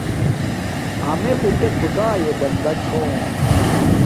امݺ بُٹݺ خدݳیݺ بندݺ چھݸم.